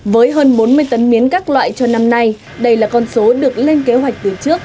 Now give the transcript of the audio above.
với hơn bốn mươi tấn miến các loại cho năm nay đây là con số được lên kế hoạch từ trước